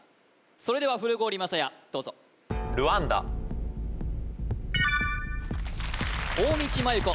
それでは古郡将也どうぞ大道麻優子